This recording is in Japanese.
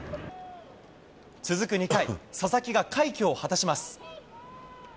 続く２回、佐々木が快挙を果たします。